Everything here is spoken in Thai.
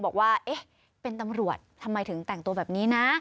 บอกว่าเอ๊ะเป็นตำรวจทำไมถึงแต่งตัวแบบนี้นะ